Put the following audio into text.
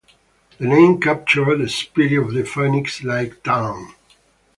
The name captured the spirit of the phoenix-like town.